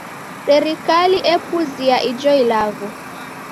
Serikali epuzia ijo ilagho.